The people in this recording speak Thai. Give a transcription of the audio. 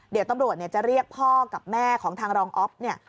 เดี๋ยวตำรวจจะเรียกพ่อกับแม่ของทางรองอ๊อฟเนี่ย